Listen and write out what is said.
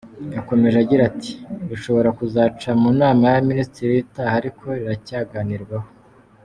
Yakomeje agira ati “Rishobora kuzaca mu nama y’abaminisitiri itaha ariko riracyaganirwaho